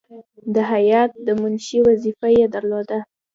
د هیات د منشي وظیفه یې درلوده.